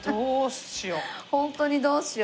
本当にどうしよう。